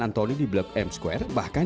antoni di blok m square bahkan